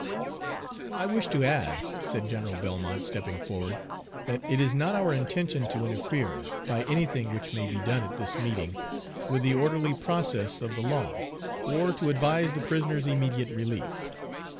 "I wish to add," said General Belmont, stepping forward, "that it is not our intention to interfere, by anything which may be done at this meeting, with the orderly process of the law, or to advise the prisoner's immediate release.